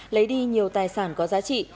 lấy đi nhiều tài sản có giá trị